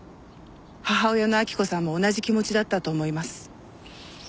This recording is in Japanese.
母親の晃子さんも同じ気持ちだったと思います。